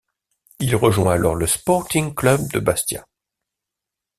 Il rejoint alors le Sporting Club de Bastia.